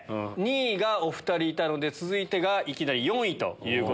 ２位がお２人いたので続いてがいきなり４位。